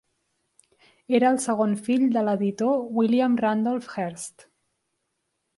Era el segon fill de l'editor William Randolph Hearst.